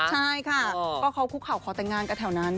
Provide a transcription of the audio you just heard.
ใช่ค่ะก็เขาคุกเข่าขอแต่งงานกันแถวนั้น